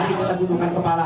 mari kita cumbukan kepala